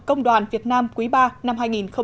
công đoàn việt nam quý ba năm hai nghìn một mươi tám